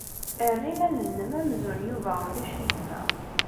Err iman-nnem amzun Yuba ulac-it da.